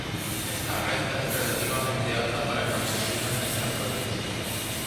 Esta renta es relativamente alta para campesinos en esta provincia.